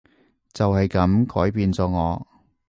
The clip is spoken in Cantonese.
就係噉改變咗我